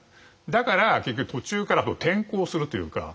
だから結局途中から転向するというか